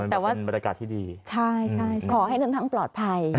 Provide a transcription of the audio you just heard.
แต่ว่าเป็นบรรยากาศที่ดีใช่ขอให้ทั้งปลอดภัย